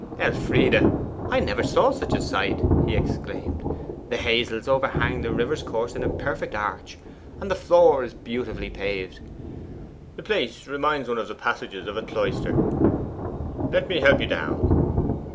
'Elfride, I never saw such a sight!' he exclaimed. 'The hazels overhang the river's course in a perfect arch, and the floor is beautifully paved. The place reminds one of the passages of a cloister. Let me help you down.